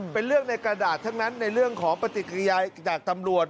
เป็นเรื่องในกระดาษทั้งนั้นในเรื่องของปฏิกิริยาจากตำรวจ